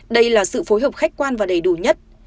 đây là sự phối hợp khách quan và đầy đủ nhất